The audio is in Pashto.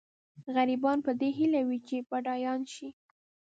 غریبان په دې هیله وي چې بډایان شي.